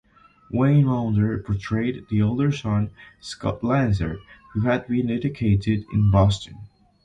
Wayne Maunder portrayed the older son, Scott Lancer, who had been educated in Boston.